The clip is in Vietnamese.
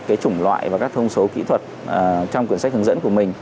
cái chủng loại và các thông số kỹ thuật trong quyển sách hướng dẫn của mình